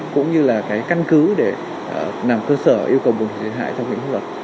cũng như là cái căn cứ để nằm cơ sở yêu cầu bồi thường thiệt hại trong những luật